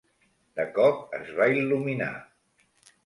De cop, es va il·luminar.